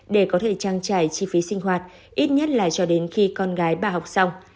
để có thể trang trải chi phí sinh hoạt ít nhất là cho đến khi con gái bà học xong